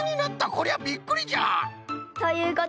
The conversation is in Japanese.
こりゃびっくりじゃ！ということでみっつめは。